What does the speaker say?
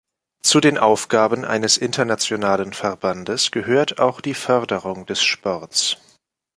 Zu den Aufgaben eines internationalen Verbandes gehört auch die Förderung des Sports.